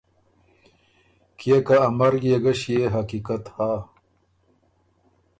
کيې که ا مرګ يې ګۀ ݭيې حقیقت هۀ۔